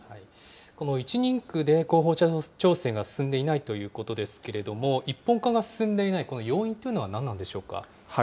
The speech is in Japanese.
この１人区で候補者調整が進んでいないということですけれども、一本化が進んでいないこの要因というのは何なんでしょうか。